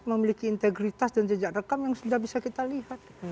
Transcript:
memiliki integritas dan jejak rekam yang sudah bisa kita lihat